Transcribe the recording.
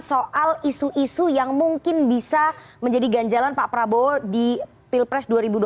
soal isu isu yang mungkin bisa menjadi ganjalan pak prabowo di pilpres dua ribu dua puluh